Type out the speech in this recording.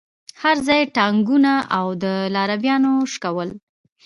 هرځاى پاټکونه او د لارويانو شکول.